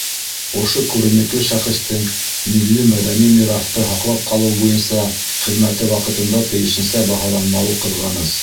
Ошо күренекле шәхестең милли-мәҙәни мираҫты һаҡлап ҡалыу буйынса хеҙмәте ваҡытында тейешенсә баһаланмауы ҡыҙғаныс.